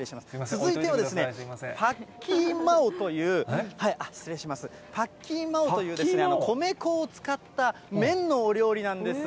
続いては、パッキーマオという、失礼します、パッキーマオという米粉を使った麺のお料理なんです。